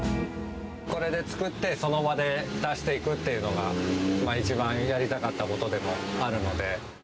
これで作って、その場で出していくっていうのが、一番やりたかったことでもあるので。